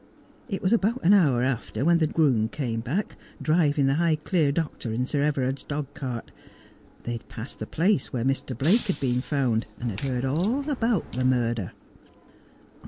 It was about an hour after when the groom came hack, driving the Highclere doctor in Sir E vera id's dogcart. They had pa>sid the place where Mr. Blake had luen found, and had heaid all about the murder.'